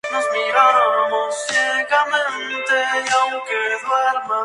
Primero un rumor lejano, sordo y uniforme.